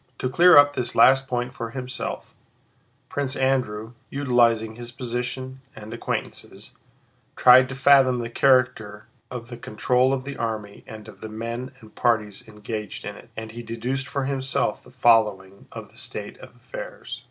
To clear up this last point for himself, Prince Andrew, utilizing his position and acquaintances, tried to fathom the character of the control of the army and of the men and parties engaged in it, and he deduced for himself the following of the state of affairs.